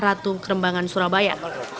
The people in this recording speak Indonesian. ratu kerembangan surabaya